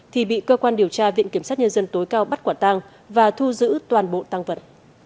thì bị cơ quan điều tra viện kiểm sát nhân dân tối cao bắt quả tăng và thu giữ toàn bộ tăng vật